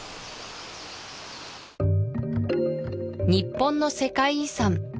日本の世界遺産